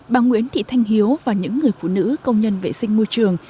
bà nguyễn thị thanh hiếu và những người phụ nữ công nhân vệ sinh môi trường